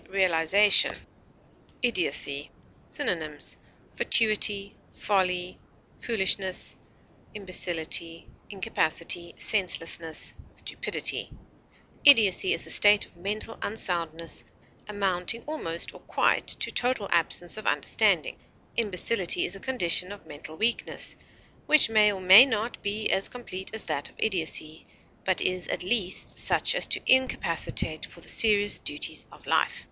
IDIOCY. Synonyms: fatuity, foolishness, incapacity, stupidity. folly, imbecility, senselessness, Idiocy is a state of mental unsoundness amounting almost or quite to total absence of understanding. Imbecility is a condition of mental weakness, which may or may not be as complete as that of idiocy, but is at least such as to incapacitate for the serious duties of life.